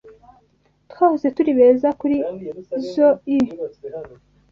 Twahoze turi beza kurizoi.